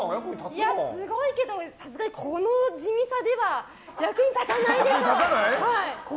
すごいけどさすがにこの地味さでは役に立たないでしょ。